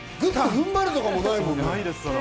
踏ん張るとかもないもんね。